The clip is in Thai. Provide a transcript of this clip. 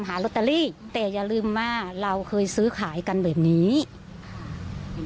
หาโรตาลีแต่อย่าลืมว่าเราเคยซื้อขายกันแบบนี้เป็น